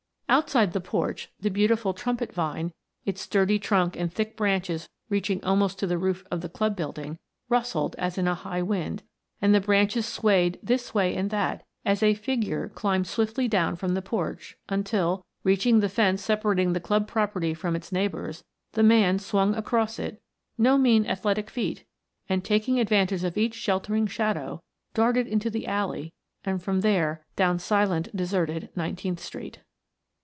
Outside the porch the beautiful trumpet vine, its sturdy trunk and thick branches reaching almost to the roof of the club building, rustled as in a high wind, and the branches swayed this way and that as a figure climbed swiftly down from the porch until, reaching the fence separating the club property from its neighbor's, the man swung across it, no mean athletic feet, and taking advantage of each sheltering shadow, darted into the alley and from there down silent, deserted Nineteenth Street.